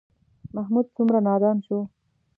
محمود څومره نادان شو.